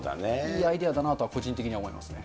いいアイデアだなとは、個人的に思いますね。